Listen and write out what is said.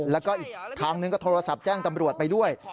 แล้วก็อีกทางหนึ่งก็โทรศัพท์แจ้งตำรวจไปด้วย